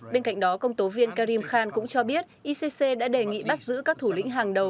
bên cạnh đó công tố viên karim khan cũng cho biết icc đã đề nghị bắt giữ các thủ lĩnh hàng đầu